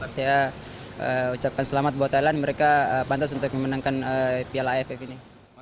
saya ucapkan selamat buat thailand mereka pantas untuk memenangkan piala aff ini